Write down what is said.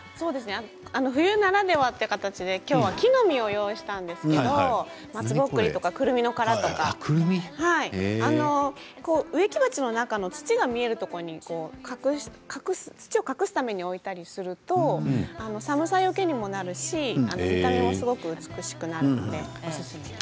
冬ならではという形で今日は木の実を用意したんですけれども松ぼっくりとかくるみの殻とか植木鉢の中の土が見えるところを土を隠すために置いたりすると寒さよけにもなるし見た目もすごく美しくなるので。